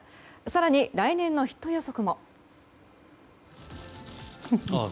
更に来年のヒット予測も。